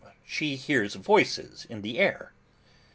She hears voices in the air.